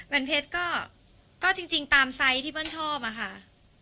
เพชรก็จริงตามไซส์ที่เบิ้ลชอบอะค่ะ